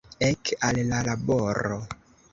Ek al la laboro!